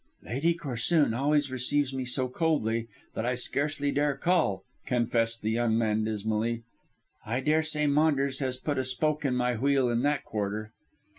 "Lady Corsoon always receives me so coldly, that I scarcely dare call," confessed the young man dismally. "I daresay Maunders has put a spoke in my wheel in that quarter."